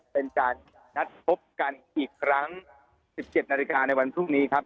เป็นการนัดพบกันอีกครั้ง๑๗นาฬิกาในวันพรุ่งนี้ครับ